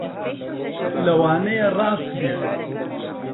لەوانەیە ڕاست بێت